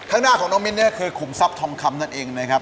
ข้างหน้าของน้องมิ้นเนี่ยคือขุมทรัพย์ทองคำนั่นเองนะครับ